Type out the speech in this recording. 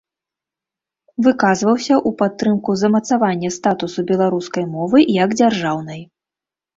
Выказваўся ў падтрымку замацавання статусу беларускай мовы, як дзяржаўнай.